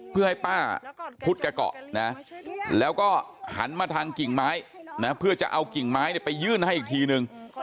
เพื่อให้ป้าพุทธแกเกาะนะแล้วก็หันมาทางกิ่งไม้นะเพื่อจะเอากิ่งไม้ไปยื่นให้อีกทีนึง